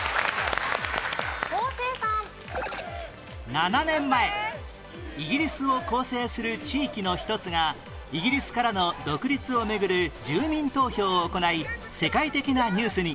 ７年前イギリスを構成する地域の一つがイギリスからの独立を巡る住民投票を行い世界的なニュースに